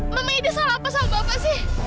memang ini salah apa salah bapak sih